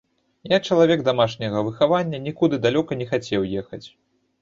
Я чалавек дамашняга выхавання, нікуды далёка не хацеў ехаць.